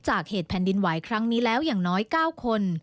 จากเหตุแผ่นดินไหวครั้งนี้แล้วอย่างน้อย๙คน